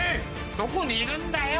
どこにいるんだよ！